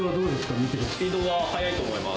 見てスピードは速いと思います。